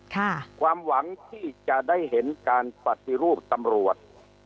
ความหวังที่จะได้เห็นการปฏิรูปตำรวจ